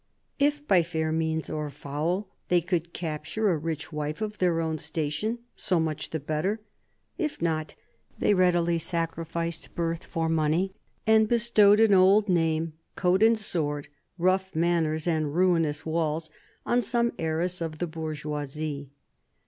If, by fair 2 CARDINAL DE RICHELIEU means or foul, they could capture a rich wife °f their own station, so much the better; if not, they readily sacn ficed birth for money, and bestowed an old ^^^^'^^ and sword, rough manners and ruinous walls on some heiress of the bourgeoisie.